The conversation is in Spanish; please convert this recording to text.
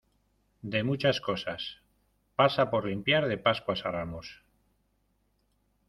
de muchas cosas. pasa por limpiar de Pascuas a Ramos .